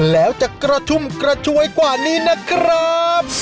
แล้วจะกระชุ่มกระชวยกว่านี้นะครับ